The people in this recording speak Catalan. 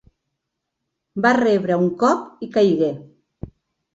Va rebre un cop i caigué.